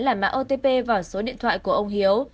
tin nhắn là mã otp và số điện thoại của ông hiếu